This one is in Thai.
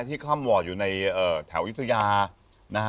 ที่ค่ำหว่ออยู่ในแถววิทยานะฮะ